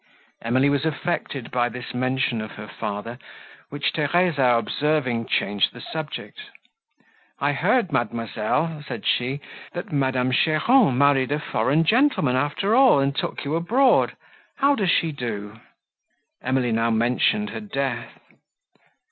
Emily was affected by this mention of her father, which Theresa observing, changed the subject. "I heard, mademoiselle," said she, "that Madame Cheron married a foreign gentleman, after all, and took you abroad; how does she do?" Emily now mentioned her death.